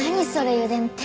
油田って。